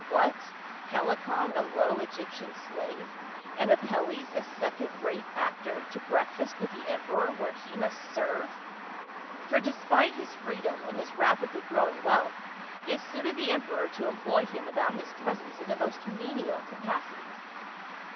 What, Helicon, a low Egyptain slave, and Apelles, a second rate actor, to breakfast with the emperor where he must serve ? For despite his freedom and his rapidly growing wealth, it suited the emperor to employ him about his presence in the most menial capacities.